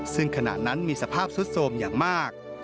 ซึ่งขณะนั้นมีสภาพสุดโสมอย่างมาก